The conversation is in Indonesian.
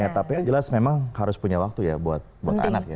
tapi jelas memang harus punya waktu ya buat anak